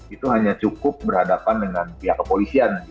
itu hanya cukup berhadapan dengan pihak kepolisian